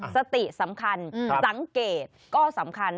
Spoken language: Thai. สติสำคัญสังเกตก็สำคัญ